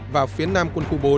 vào phía nam quân khu bốn